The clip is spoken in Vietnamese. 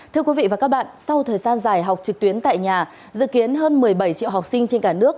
thưa quý vị và các bạn sau thời gian dài học trực tuyến tại nhà dự kiến hơn một mươi bảy triệu học sinh trên cả nước